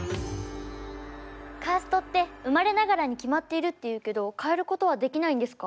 カーストって生まれながらに決まっているっていうけど変えることはできないんですか？